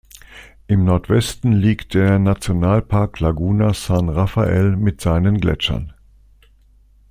Im Nordwesten liegt der Nationalpark Laguna San Rafael mit seinen Gletschern.